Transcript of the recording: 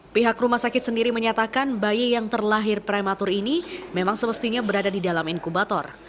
pihak rumah sakit sendiri menyatakan bayi yang terlahir prematur ini memang semestinya berada di dalam inkubator